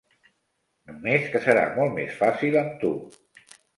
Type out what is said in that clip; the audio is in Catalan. Només que serà molt més fàcil amb tu.